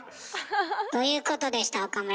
ということでした岡村。